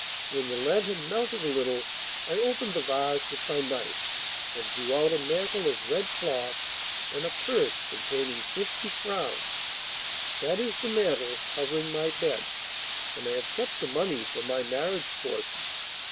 When the lead had melted a little, I opened the vase with my knife and drew out a mantle of red cloth and a purse containing fifty crowns. That is the mantle, covering my bed, and I have kept the money for my marriage portion.